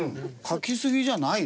描きすぎじゃない。